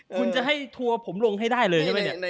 คุณจะให้ทัวร์ผมลงได้เลยหรือเปล่า